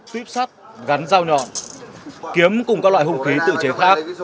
tuyếp sắt gắn dao nhọn kiếm cùng các loại hung khí tự chế khác